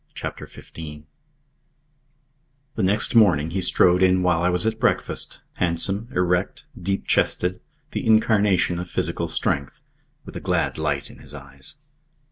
CHAPTER XV The next morning he strode in while I was at breakfast, handsome, erect, deep chested, the incarnation of physical strength, with a glad light in his eyes.